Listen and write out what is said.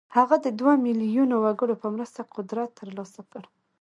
هغه د دوه ميليونه وګړو په مرسته قدرت ترلاسه کړ.